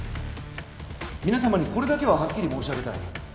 皆さまにこれだけははっきり申し上げたい。